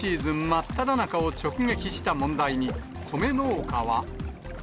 真っただ中を直撃した問題に、米農家は。